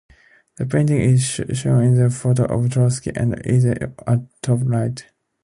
This painting is shown in the photo of Trotsky and Eisner at top right.